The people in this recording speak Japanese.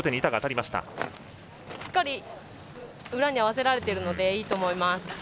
しっかり裏に合わせられているのでいいと思います。